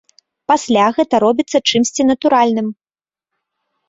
Пасля гэта робіцца чымсьці натуральным.